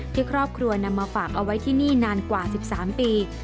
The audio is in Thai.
ที่ครอบครัวนำมาฝากเอาไว้ที่นี่นานกว่า๑๓ปี